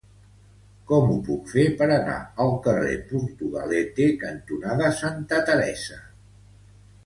Com ho puc fer per anar al carrer Portugalete cantonada Santa Teresa?